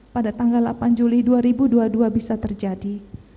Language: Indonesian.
pada tanggal delapan juli dua ribu dua puluh dua bisa terjadi